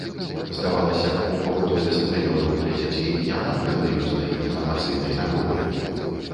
Здавалася б, у пабудове стадыёнаў для дзяцей няма грандыёзнай інфармацыйнай нагоды.